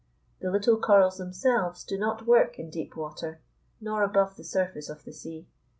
The little corals themselves do not work in deep water, nor above the surface of the sea.